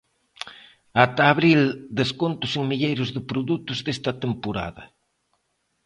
Ata abril descontos en milleiros de produtos desta temporada.